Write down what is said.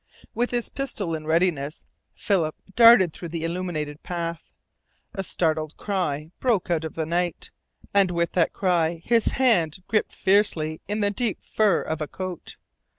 With his pistol in readiness, Philip darted through the illuminated path. A startled cry broke out of the night, and with that cry his hand gripped fiercely in the deep fur of a coat.